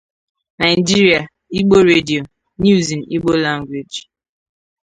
Nigeria | Igbo Radio | News in Igbo Language